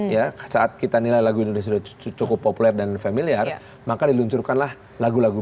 ya saat kita nilai lagu indonesia sudah cukup populer dan familiar maka diluncurkanlah lagu lagu